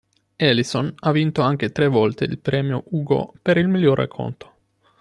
Ellison ha vinto anche tre volte il Premio Hugo per il miglior racconto.